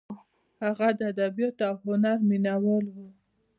هغه د ادبیاتو او هنر مینه وال و.